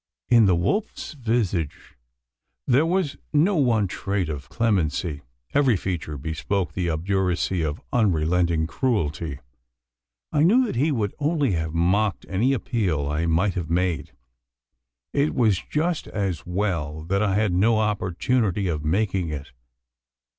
In the wolf's visage, there was no one trait of clemency: every feature bespoke the obduracy of unrelenting cruelty. I knew that he would only have mocked any appeal I might have made. It was just as well that I had no opportunity of making it.